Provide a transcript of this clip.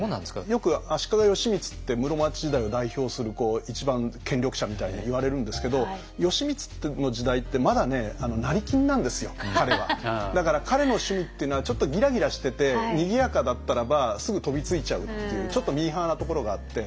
よく足利義満って室町時代を代表する一番権力者みたいにいわれるんですけどだから彼の趣味っていうのはちょっとギラギラしててにぎやかだったらばすぐ飛びついちゃうっていうちょっとミーハーなところがあって。